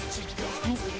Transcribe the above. はい。